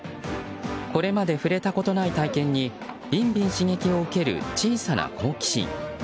これまで触れたことない体験にビンビン刺激を受ける小さな好奇心。